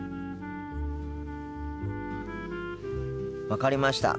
分かりました。